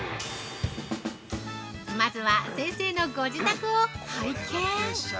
まずは先生のご自宅を拝見◆